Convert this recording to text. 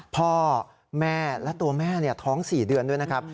พ่อแม่และตัวแม่ท้อง๔เดือนด้วยนะครับ